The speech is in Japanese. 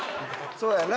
そうやな。